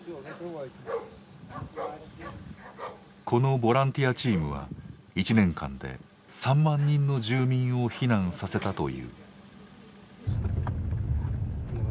このボランティアチームは１年間で３万人の住民を避難させたという。